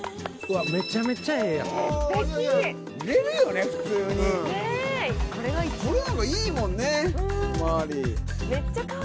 めちゃめちゃええやん。